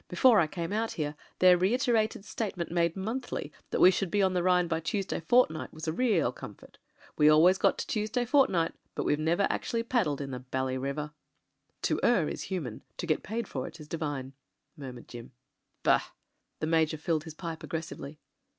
Before I came out here their reiterated statement made monthly that we should be on the Rhine by Tuesday fortnight was a real com fort. We always got to Tuesday fortnight — but we've never actually paddled in the bally river." "To err is human ; to get paid for it is divine," mur mured Jim. "Bah!" the Major filled his pipe aggressively.